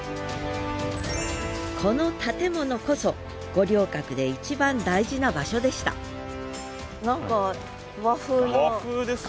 この建物こそ五稜郭で一番大事な場所でしたへえ。